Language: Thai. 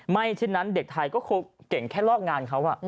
เช่นนั้นเด็กไทยก็คงเก่งแค่ลอกงานเขา